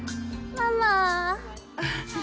ママ！